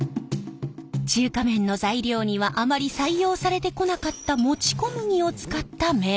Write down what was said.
中華麺の材料にはあまり採用されてこなかったもち小麦を使った麺。